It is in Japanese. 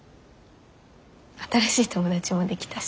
新しい友達もできたし。